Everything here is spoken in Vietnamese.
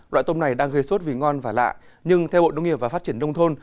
loại tôm này đang gây suốt vì ngon và lạ nhưng theo bộ đông nghiệp và phát triển đông thôn